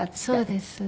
そうです。